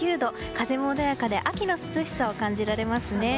風も穏やかで秋の涼しさを感じられますね。